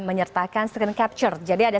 menyertakan screen capture jadi ada